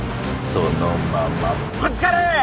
そのままぶつかれ！！